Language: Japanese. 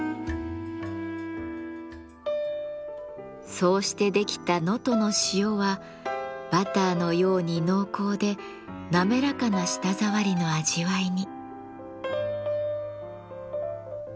そうして出来た能登の塩はバターのように濃厚でなめらかな舌触りの味わいに。